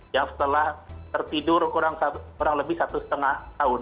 yang setelah tertidur kurang lebih satu setengah tahun